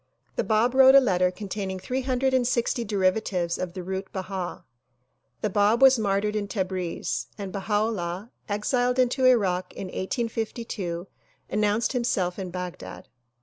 The Bab wrote a letter con taining three hundred and sixty derivatives of the root "Baha." The Bab was martyred in Tabriz, and Baha 'Ullah exiled into Irak Arabi in 1852, announced himself in Baghdad.